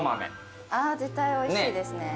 あ絶対おいしいですね。